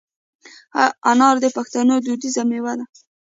انار د پښتنو دودیزه مېوه ده.